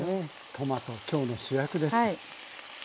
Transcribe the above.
トマトきょうの主役です。